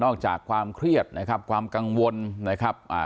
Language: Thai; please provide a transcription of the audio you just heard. อกจากความเครียดนะครับความกังวลนะครับอ่า